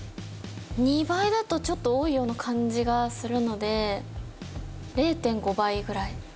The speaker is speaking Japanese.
２倍だとちょっと多いような感じがするので０．５倍ぐらい。